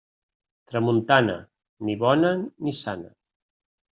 Tramuntana, ni bona ni sana.